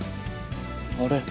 あれ。